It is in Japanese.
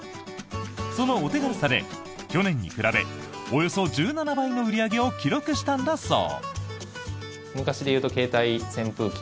そのお手軽さで、去年に比べおよそ１７倍の売り上げを記録したんだそう。